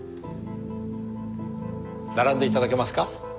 並んで頂けますか？